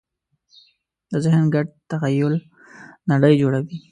د ذهن ګډ تخیل نړۍ جوړوي.